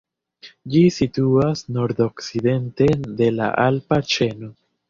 Ĝi situas nord-okcidente de la alpa ĉeno.